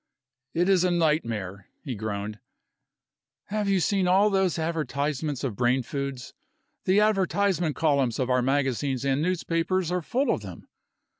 "It is a nightmare!" he groaned. "Have you seen all those advertisements of brain foods? The advertisement columns of our magazines and newspapers are full of them.